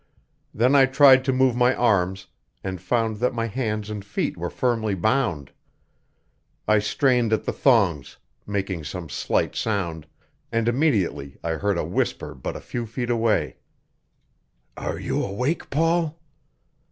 Then I tried to move my arms, and found that my hands and feet were firmly bound. I strained at the thongs, making some slight sound; and immediately I heard a whisper but a few feet away: "Are you awake, Paul?"